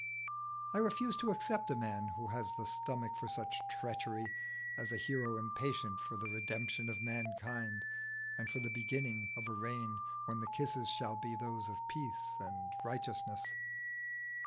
I refuse to accept a man who has the stomach for such treachery, as a hero impatient for the redemption of mankind and for the beginning of a reign when the kisses shall be those of peace and righteousness.